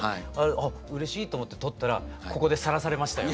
ああうれしいと思って撮ったらここでさらされましたよ。